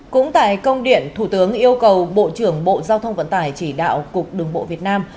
cũng tại công điện thủ tướng yêu cầu bộ trưởng bộ giao thông vận tải chỉ đạo cục đường bộ việt nam